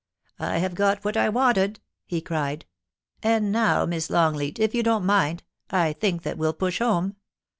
* I have got what I wanted !* he cried. * And now. Miss Longleat, if you don't mind, I think that we'll push home.